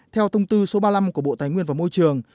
theo thông tư số ba mươi năm của bộ tài nguyên và môi trường